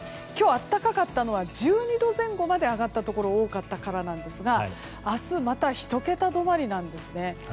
今日、暖かかったのは１２度前後まで上がったところが多かったからなんですが明日また１桁止まりなんですね。